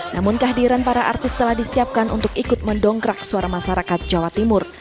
namun kehadiran para artis telah disiapkan untuk ikut mendongkrak suara masyarakat jawa timur